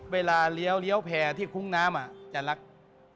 เวลาเลี้ยวแพร่ที่คุ้งน้ำจัดลักษณ์